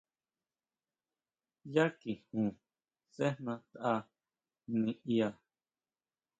Yá kijun sejna tʼa niʼya.